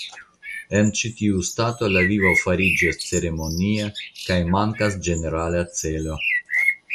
En ĉi tiu stato la vivo fariĝas ceremonia kaj mankas ĝenerala celo.